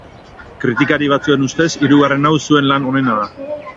Kritikari batzuen ustez, hirugarren hau zuen lan onena da.